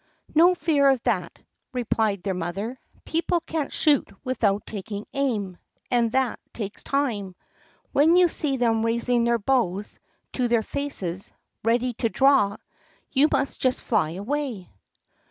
"No fear of that!" replied their mother. "People can't shoot without taking aim, and that takes time. When you see them raising their bows to their faces, ready to draw, you must just fly away!"